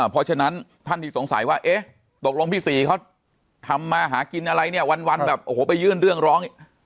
เพราะฉะนั้นท่านที่สงสัยว่าเอ๊ะตกลงพี่ศรีเขาทำมาหากินอะไรเนี่ยวันแบบโอ้โหไปยื่นเรื่องร้อง